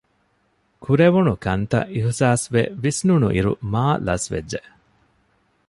ކުރެވުނުކަންތައް އިހުސާސްވެ ވިސްނުނުއިރު މާލަސްވެއްޖެ